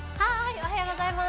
おはようございます！